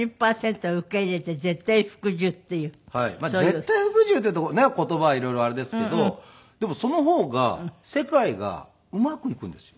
絶対服従というとねっ言葉は色々あれですけどでもその方が世界がうまくいくんですよ。